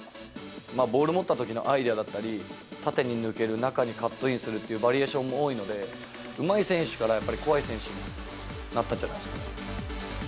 ボール持ったときのアイデアだったり、縦に抜ける、中にカットインするっていうバリエーションも多いので、うまい選手からやっぱり、怖い選手になったんじゃないですかね。